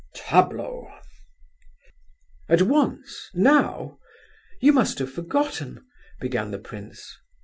Tableau!" "At once? Now? You must have forgotten..." began the prince.